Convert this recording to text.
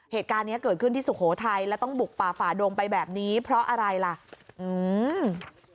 เหตุการณ์เนี้ยเกิดขึ้นที่สุโขทัยแล้วต้องบุกป่าฝ่าดงไปแบบนี้เพราะอะไรล่ะอืม